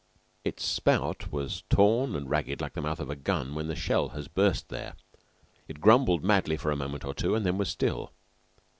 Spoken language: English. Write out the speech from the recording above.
Its spout was torn and ragged like the mouth of a gun when a shell has burst there. It grumbled madly for a moment or two, and then was still.